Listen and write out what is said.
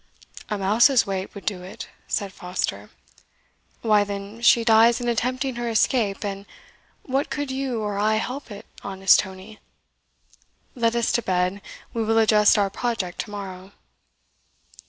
"A mouse's weight would do it," said Foster. "Why, then, she dies in attempting her escape, and what could you or I help it, honest Tony? Let us to bed, we will adjust our project to morrow."